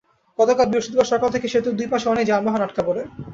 গতকাল বৃহস্পতিবার সকাল থেকে সেতুর দুই পাশে অনেক যানবাহন আটকা পড়ে।